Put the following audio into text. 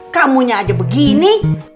kamunya aja begini